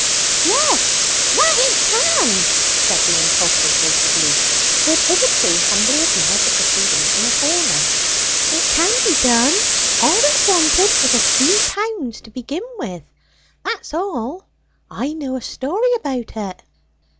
"Yes, that it can!" said the impulsive voice of Leaf, who had hitherto humbly admired the proceedings from a corner. "It can be done all that's wanted is a few pounds to begin with. That's all! I know a story about it!"